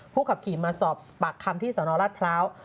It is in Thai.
ขับขี่มาสอบปากคำที่สนรัฐพร้าว